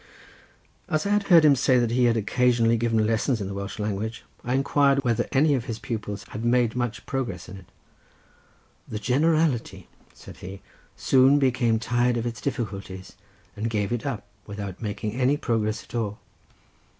As I had heard him say that he had occasionally given lessons in the Welsh language, I inquired whether any of his pupils had made much progress in it. "The generality," said he, "soon became tired of its difficulties, and gave it up without making any progress at all.